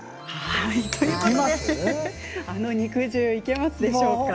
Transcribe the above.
あの肉汁いけますでしょうか？